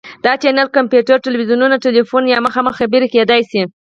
دا چینل کمپیوټر، تلویزیون، تیلیفون یا مخامخ خبرې کیدی شي.